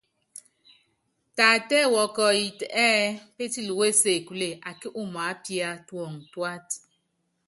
Taatɛ́ɛ wɔkɔyitɛ ɛ́ɛ́ pétili wú ésekúle akí umaápíá tuɔŋu tuáta.